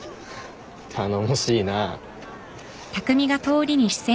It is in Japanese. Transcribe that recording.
頼もしいなぁ。